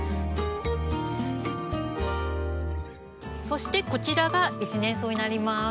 そしてこちらが１年草になります。